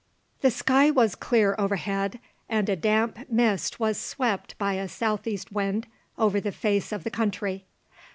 The sky was clear overhead, and a damp mist was swept by a south east wind over the face of the country.